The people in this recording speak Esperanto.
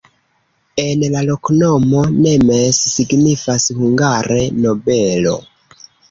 En la loknomo nemes signifas hungare: nobelo.